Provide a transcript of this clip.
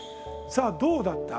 さあどうだった？